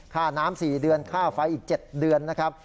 ค่าน้ำ๔เดือนค่าไฟอีก๗เดือนนะครับ